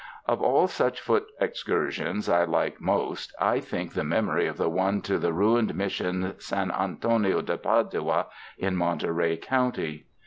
Of all such foot excursions I like most, I think, the memory of the one to the ruined Mission San An tonio de Padua, in Monterey county.